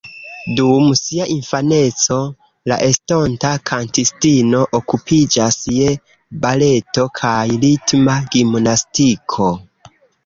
Dum sia infaneco la estonta kantistino okupiĝas je baleto kaj ritma gimnastiko.